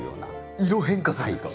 色変化するんですか？